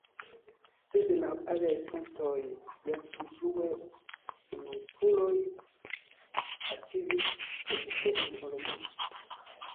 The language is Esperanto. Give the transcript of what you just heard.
Sed laŭ aliaj fontoj jam pli frue unuopuloj aktivis, precipe en Olomouc.